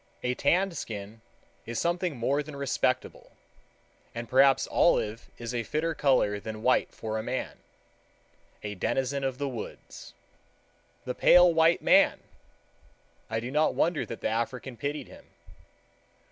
A tanned skin is something more than respectable, and perhaps olive is a fitter color than white for a man—a denizen of the woods. "The pale white man!" I do not wonder that the African pitied him.